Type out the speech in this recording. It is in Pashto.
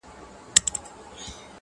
مستانه باندي ورتللو -